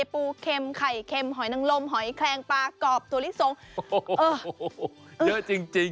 ปูเค็มไข่เค็มหอยนังลมหอยแคลงปลากรอบตัวลิสงโอ้โหเยอะจริงจริง